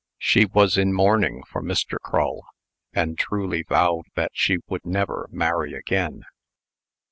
She was in mourning for Mr. Crull, and truly vowed that she would never marry again.